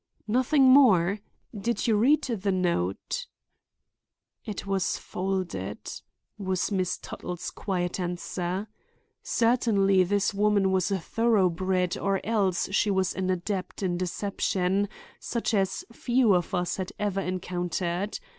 "Nothing more? Did you read the note?" "It was folded," was Miss Tuttle's quiet answer. Certainly this woman was a thoroughbred or else she was an adept in deception such as few of us had ever encountered.